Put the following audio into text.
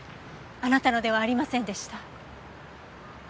あなたのではありませんでした。